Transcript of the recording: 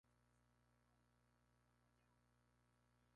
La vocal q sonidos "como el "ir" de 'chica' inglesa".